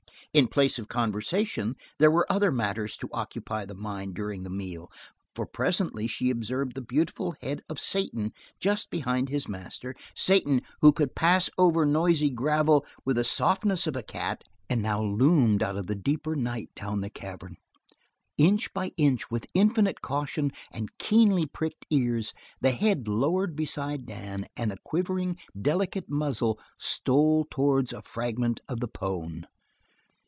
In place of conversation, there were other matters to occupy the mind during the meal. For presently she observed the beautiful head of Satan just behind his master Satan, who could pass over noisy gravel with the softness of a cat, and now loomed out of the deeper night down the cavern. Inch by inch, with infinite caution and keenly pricked ears, the head lowered beside Dan, and the quivering, delicate muzzle stole towards a fragment of the "pone."